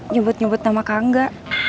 nyebut nyebut nama kak angga